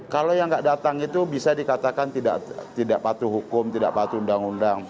kalau yang nggak datang itu bisa dikatakan tidak patuh hukum tidak patuh undang undang